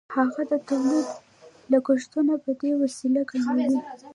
هغه د تولید لګښتونه په دې وسیله کموي